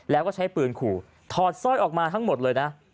แล้วก็ใช้ปืนขู่ถอดสร้อยออกมาทั้งหมดเลยนะ